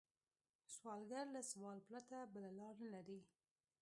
سوالګر له سوال پرته بله لار نه لري